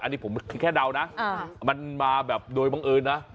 อันนี้ผมแค่เดานะมันมาแบบโดยบังเอิญนะ